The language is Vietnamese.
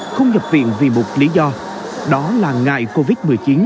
không nhập viện vì một lý do đó là ngại covid một mươi chín